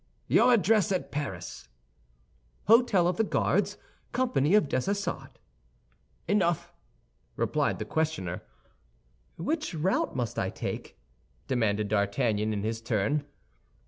"Your address at Paris?" "Hôtel of the Guards, company of Dessessart." "Enough," replied the questioner. "Which route must I take?" demanded D'Artagnan, in his turn.